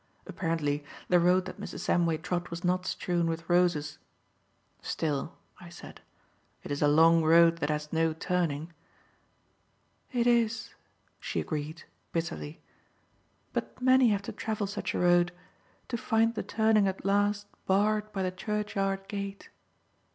Apparently the road that Mrs. Samway trod was not strewn with roses. "Still," I said, "it is a long road that has no turning." "It is," she agreed, bitterly, "but many have to travel such a road, to find the turning at last barred by the churchyard gate."